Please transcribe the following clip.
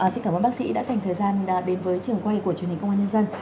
xin cảm ơn bác sĩ đã dành thời gian đến với trường quay của truyền hình công an nhân dân